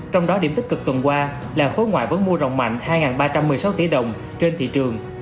trong đó điểm tích cực tuần qua là khối ngoại vẫn mua rồng mạnh hai ba trăm một mươi sáu tỷ đồng trên thị trường